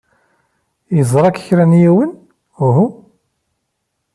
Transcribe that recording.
Yeẓra-k kra n yiwen? Uhu.